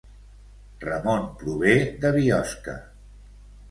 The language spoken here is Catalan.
Ramon prové de Biosca